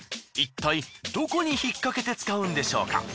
いったいどこに引っかけて使うんでしょうか？